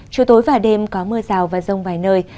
chiều tối và đêm có mưa rào và rông vài nơi